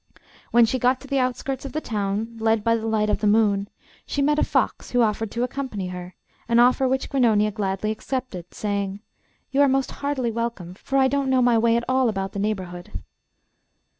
When she got to the outskirts of the town, led by the light of the moon, she met a fox, who offered to accompany her, an offer which Grannonia gladly accepted, saying 'You are most heartily welcome, for I don't know my way at all about the neighbourhood.